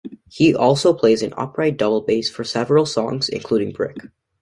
He also plays an upright double bass for several songs, including "Brick".